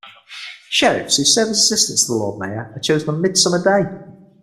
Sheriffs, who serve as assistants to the Lord Mayor, are chosen on Midsummer Day.